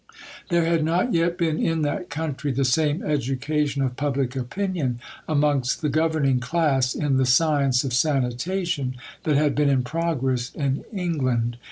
There had not yet been in that country the same education of public opinion amongst the governing class in the science of sanitation that had been in progress in England.